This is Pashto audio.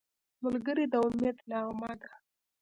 ملګری د امید نغمه ده